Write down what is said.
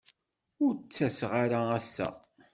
Ur d-ttaseɣ ara ass-a.